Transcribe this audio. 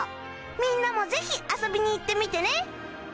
みんなもぜひ遊びに行ってみてね！